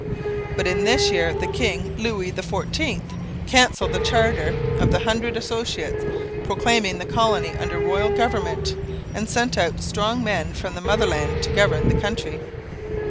But in this year the king, Louis XIV, cancelled the charter of the Hundred Associates, proclaimed the colony under royal government, and sent out strong men from the motherland to govern the country.